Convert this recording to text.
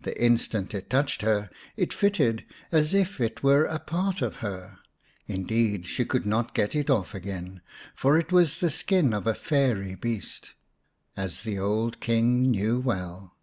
The instant it touched her it fitted as if it were a part of her ; indeed, she could not get it off again, for it was the skin of a fairy beast, as the old King knew well.